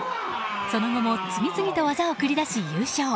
その後も次々と技を繰り出し優勝。